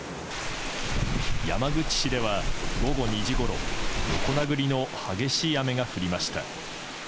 山口市では午後２時ごろ横殴りの激しい雨が降りました。